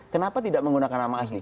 kenapa tidak menggunakan nama asli